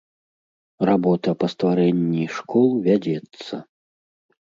Работа па стварэнні школ вядзецца.